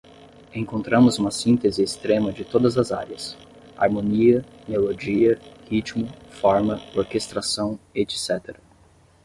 Encontramos uma síntese extrema de todas as áreas: harmonia, melodia, ritmo, forma, orquestração, etc.